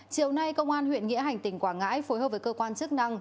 chiều nay công an huyện nghĩa hành tỉnh quảng ngãi phối hợp với cơ quan chức năng